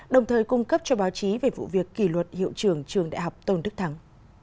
đồng thời cung cấp cho báo chí về vụ việc kỳ luật hiệu trưởng trường đại học tôn đức thắng